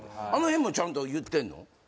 あのへんもちゃんと言ってんの？